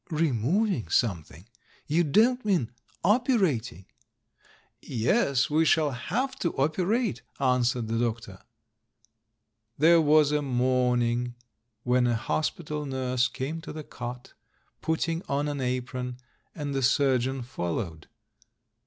" 'Removing' something? You don't mean ^operating' ?" "Yes, w^e shall have to operate," answered the doctor. There was a morning when a hospital nurse came to the cot, putting on an apron, and the surgeon followed.